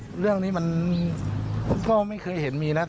เรื่องนี้มันก็ไม่เคยเห็นมีนะ